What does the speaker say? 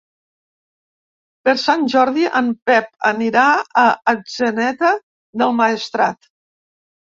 Per Sant Jordi en Pep anirà a Atzeneta del Maestrat.